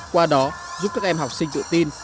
qua đó giúp các em học sinh tự tin